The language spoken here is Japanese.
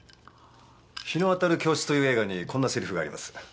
『陽のあたる教室』という映画にこんなせりふがあります。